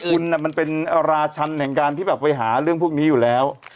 คุณมันเป็นราชันแห่งการที่แบบไปหาเรื่องพวกนี้อยู่แล้ว